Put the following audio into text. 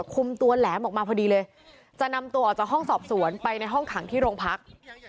คุมตัวแหลมออกมาพอดีเลยจะนำตัวออกจากห้องสอบสวนไปในห้องขังที่โรงพัก